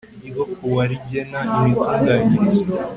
ryo ku wa rigena imitunganyirize